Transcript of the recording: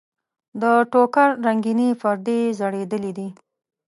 د ټوکر رنګینې پردې یې ځړېدلې دي.